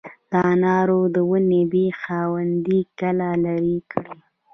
د انارو د ونې د بیخ خاوندې کله لرې کړم؟